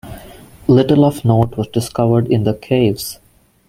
Little of note was discovered in the caves.